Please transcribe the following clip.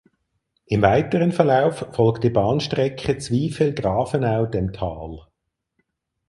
Im weiteren Verlauf folgt die Bahnstrecke Zwiesel–Grafenau dem Tal.